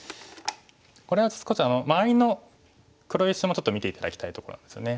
これは少し周りの黒石もちょっと見て頂きたいところなんですよね。